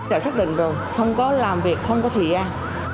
đã xác định rồi không có làm việc không có thời gian